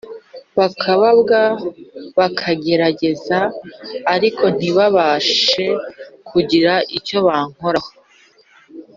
bakababwa, bakagerageza ariko ntibabashe kugira icyo bankoraho